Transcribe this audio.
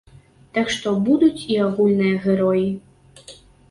Так што будуць і агульныя героі.